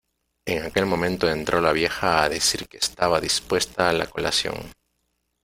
en aquel momento entró la vieja a decir que estaba dispuesta la colación.